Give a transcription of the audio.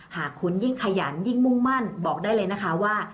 หากคุณยิ่งขยันยิ่งมุ่งมั่นบอกได้เลยนะคะว่า